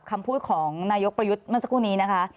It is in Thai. คำพูดของนายกประยุทธ์เมื่อสักครู่นี้นะคะ